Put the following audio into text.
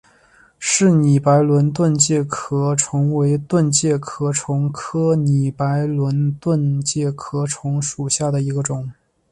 柿拟白轮盾介壳虫为盾介壳虫科拟白轮盾介壳虫属下的一个种。